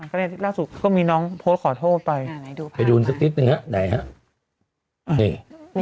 ก็เลยล่าสุดก็มีน้องโพสต์ขอโทษไปไปดูสักนิดหนึ่งฮะไหนฮะ